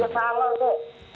dia salah kok